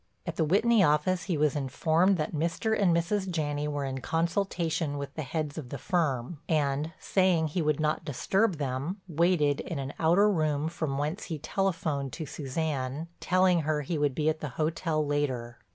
At the Whitney office he was informed that Mr. and Mrs. Janney were in consultation with the heads of the firm, and, saying he would not disturb them, waited in an outer room from whence he telephoned to Suzanne, telling her he would be at the hotel later.